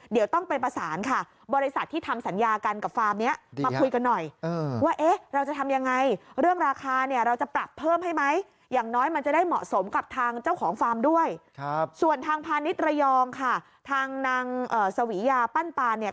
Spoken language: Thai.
ส่วนทางพาณิชย์ระยองค่ะทางนางสวิยาปั้นปานเนี่ย